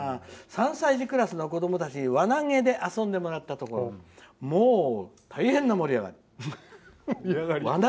「３歳児クラスの子どもたちに輪投げで遊んでもらったところもう大変な盛り上がり。」